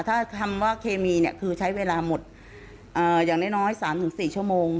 ถ้าคำว่าเคมีเนี่ยคือใช้เวลาหมดอย่างน้อย๓๔ชั่วโมง